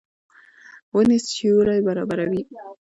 ونې سیوری برابروي.